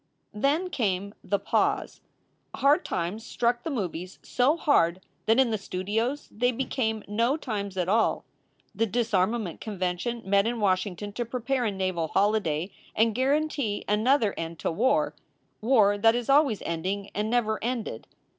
Then came The Pause. Hard times struck the movies so hard that in the studios they became no times at all. The Disarmament Convention met in Washington to prepare a naval holiday and guarantee another end to war war that is always ending and never ended.